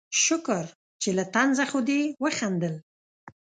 شکر چې له طنزه خو دې وخندل